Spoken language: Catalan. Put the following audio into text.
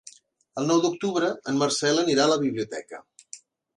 El nou d'octubre en Marcel anirà a la biblioteca.